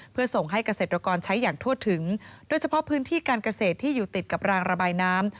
เพื่อส่งให้เกษตรกรใช้อย่างทั่วถึงโดยเฉพาะพื้นที่การเกษตรที่อยู่ติดกับรางระบายน้ำ